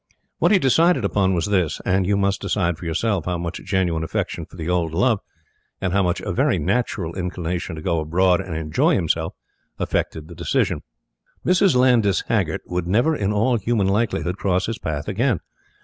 What he decided upon was this; and you must decide for yourself how much genuine affection for the old love, and how much a very natural inclination to go abroad and enjoy himself, affected the decision. Mrs. Landys Haggert would never in all human likelihood cross his path again.